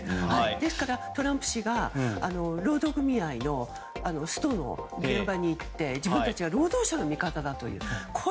ですから、トランプ氏が労働組合のストの現場に行って自分たちは労働者の味方ですと。